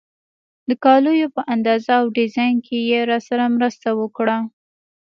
د کالیو په اندازه او ډیزاین کې یې راسره مرسته وکړه.